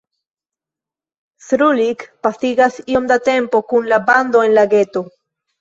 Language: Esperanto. Srulik pasigas iom da tempo kun la bando en la geto.